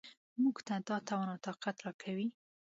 موږ ته دا توان او طاقت راکوي.